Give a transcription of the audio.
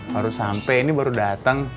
baru sampai ini baru datang